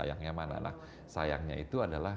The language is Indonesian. nah sayangnya itu adalah bagaimana kita menjaga kepentingan kita